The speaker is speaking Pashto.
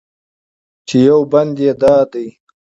چې یو بند یې دا دی: